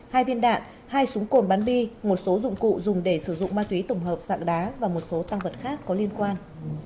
hai viên đạn hai súng cồn bắn bi một số dụng cụ dùng để sử dụng ma túy tổng hợp dạng đá và một số tăng vật khác có liên quan